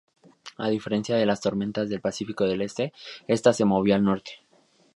A diferencia de las tormentas del Pacífico del este, esta se movió al norte.